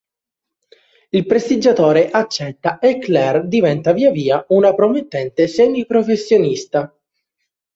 Il prestigiatore accetta e Claire diventa via via una promettente semi-professionista.